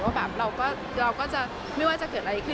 ว่าแบบเราก็จะไม่ว่าจะเกิดอะไรขึ้น